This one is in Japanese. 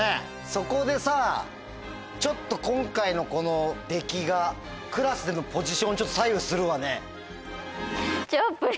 そこでさちょっと。がクラスでのポジションをちょっと左右するわね。